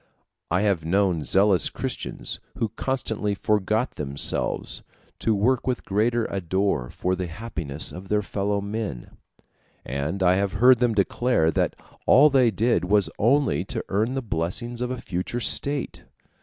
I have known zealous Christians who constantly forgot themselves, to work with greater ardor for the happiness of their fellow men; and I have heard them declare that all they did was only to earn the blessings of a future state.